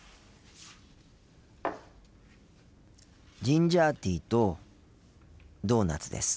ジンジャーティーとドーナツです。